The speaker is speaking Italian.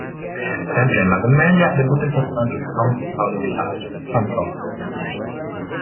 Sempre nella commedia debutta il personaggio più famoso di Paolo Villaggio, Fantozzi.